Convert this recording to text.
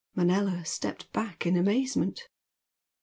Manella stepped back in amazement.